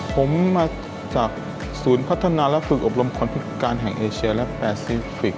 ผมมาจากศูนย์พัฒนาและฝึกอบรมคนพิการแห่งเอเชียและแปซิฟิกส